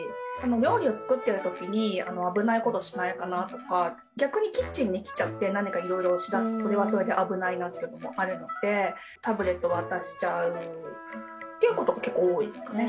料理を作ってる時に危ないことしないかなとか逆にキッチンに来ちゃって何かいろいろしだすとそれはそれで危ないなっていうのもあるのでタブレット渡しちゃうっていうことが結構多いですかね。